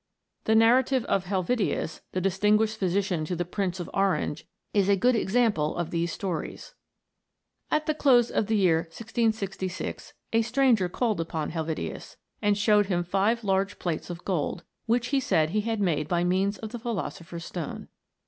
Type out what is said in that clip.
The narrative of Helvetius, the distinguished phy sician to the Prince of Orange, is a good example of these stories : At the close of the year 1666 a stranger called upon Helvetius, and showed him five large plates of gold, which he said he had made by means of the philosopher's stone.